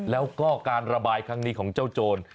แล้วก็การระบายครั้งนี้ของเจ้าโจร